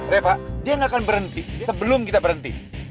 reba dia gak akan berhenti sebelum kita berhenti